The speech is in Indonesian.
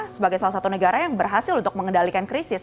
sebagai salah satu negara yang berhasil untuk mengendalikan krisis